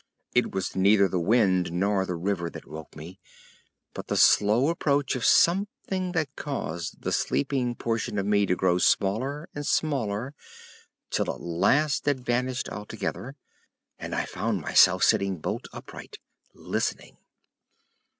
It was neither the wind nor the river that woke me, but the slow approach of something that caused the sleeping portion of me to grow smaller and smaller till at last it vanished altogether, and I found myself sitting bolt upright—listening.